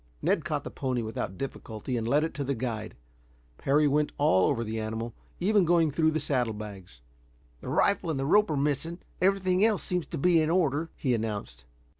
Ned caught the pony without difficulty, and led it to the guide. Parry went all over the animal, even going through the saddlebags. "The rifle and the rope are missing. Everything else seems to be in order," he announced.